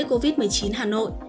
covid một mươi chín hà nội